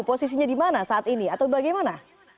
posisinya di mana saat ini atau bagaimana